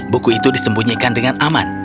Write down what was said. buku itu disembunyikan dengan aman